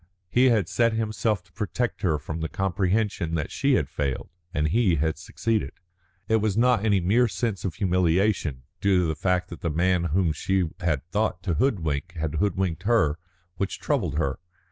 He had set himself to protect her from the comprehension that she had failed, and he had succeeded. It was not any mere sense of humiliation, due to the fact that the man whom she had thought to hoodwink had hoodwinked her, which troubled her.